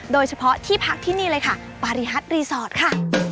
โดยเฉพาะที่พักที่นี่เลยค่ะปาริฮัตรีสอร์ทค่ะ